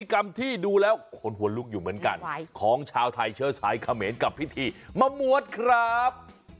กรรมที่ดูแล้วคนหัวลุกอยู่เหมือนกันของชาวไทยเชื้อสายเขมรกับพิธีมะมวดครับ